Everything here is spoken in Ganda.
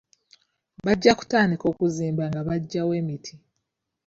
Bajja kutandika okuzimba nga bagyawo emiti.